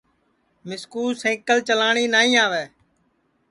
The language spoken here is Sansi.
مِسکُو سئکل چلاٹؔی نائی آوے